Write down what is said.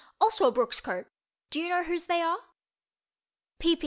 also a Brooks coat. Do you know whose they are?